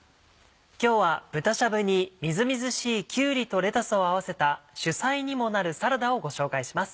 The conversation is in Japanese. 今日は豚しゃぶにみずみずしいきゅうりとレタスを合わせた主菜にもなるサラダをご紹介します。